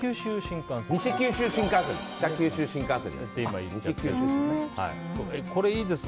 西九州新幹線です。